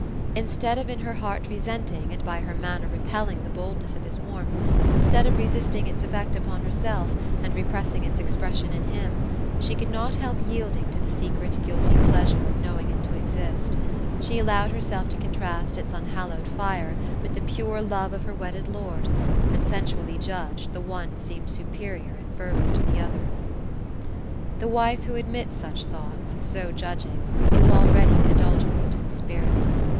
Instead of in her heart resenting, and by her manner repelling the boldness of his warmth, — instead of resist ing its effect upon herself, and repressing its expression in him, she could not help yielding to the secret guilty pleasure of knowing it to exist She allowed herself to contrast its unhallowed fire, with the pure love of her wedded lord ; and, sensually judged, the one seemed superior in fervour to the other. The wife, who admits such thoughts, so judging, is already adulterate in spirit.